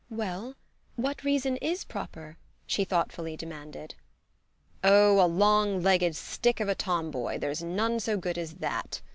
"Well, what reason IS proper?" she thoughtfully demanded. "Oh a long legged stick of a tomboy: there's none so good as that."